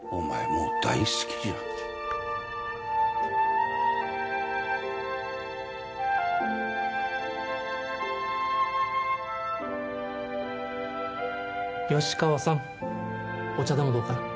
もう大好きじゃん吉川さんお茶でもどうかな？